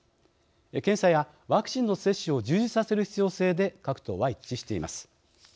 検査やワクチンの接種を充実させる必要性で各党は、一致しています。